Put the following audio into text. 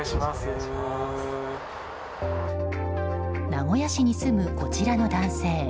名古屋市に住む、こちらの男性。